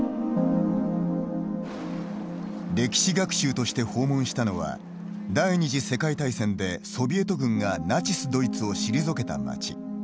歴史学習として訪問したのは第２次世界大戦でソビエト軍がナチス・ドイツを退けた町。